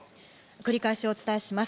繰り返しお伝えします。